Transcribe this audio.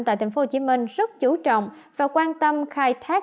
tại tp hcm rất chú trọng và quan tâm khai thác